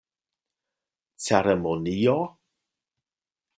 Ceremonio!?